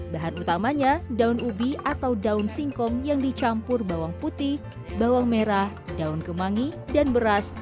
bahan utamanya daun ubi atau daun singkong yang dicampur bawang putih bawang merah daun kemangi dan beras